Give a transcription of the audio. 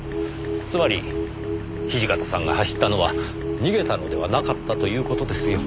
つまり土方さんが走ったのは逃げたのではなかったという事ですよ。